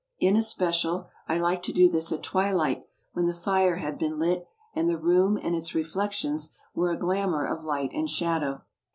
In especial, I liked to do this at twilight, when the fire had been lit and the room and its reflecrions were a glamour of light and shadow.